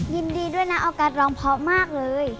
ยินดีด้วยนะออกัสร้องเพราะมากเลย